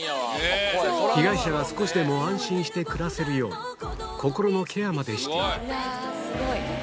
被害者が少しでも安心して暮らせるよう、心のケアまでしている。